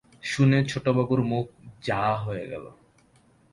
শুনে ছোটবাবুর মুখ যা হয়ে গেল!